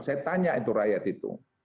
saya tanya itu rakyat itu